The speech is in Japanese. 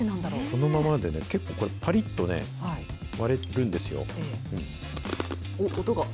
そのままでね、結構これ、ぱりっとね、割れるんですよ。